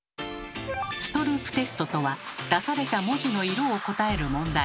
「ストループテスト」とは出された文字の色を答える問題。